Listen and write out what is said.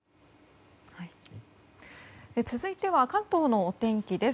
続いては関東のお天気です。